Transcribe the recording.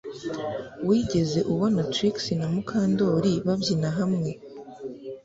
Wigeze ubona Trix na Mukandoli babyina hamwe